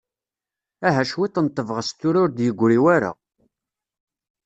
Aha cwiṭ n tebɣest tura ur d-yegri wara.